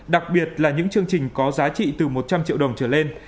đặc biệt là những chương trình có giá trị từ một trăm linh triệu đồng trở lên